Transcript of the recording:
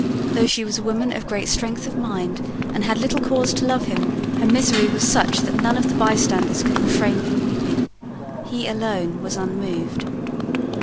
Though she was a woman of great strength of mind, and had little cause to love him, her misery was such that none of the bystanders could refrain from weeping. He alone was unmoved.